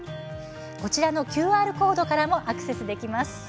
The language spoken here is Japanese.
こちらのＱＲコードからもアクセスできます。